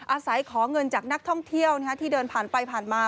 อาศัยขอเงินจากนักท่องเที่ยวที่เดินผ่านไปผ่านมา